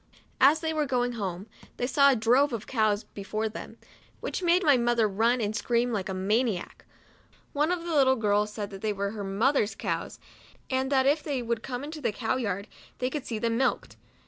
As they were going home, they saw a drove of cows be fore them, which made my mother run and scream like a maniac. One of the little girls said that they were her mother's cows, and that if they would come into the cow yard, they could see them milked.